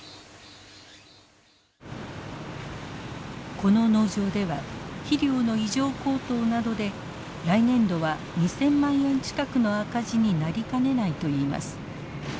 この農場では肥料の異常高騰などで来年度は２，０００万円近くの赤字になりかねないといいます。